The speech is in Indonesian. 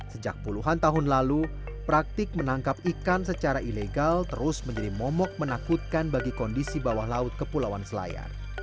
sejak puluhan tahun lalu praktik menangkap ikan secara ilegal terus menjadi momok menakutkan bagi kondisi bawah laut kepulauan selayar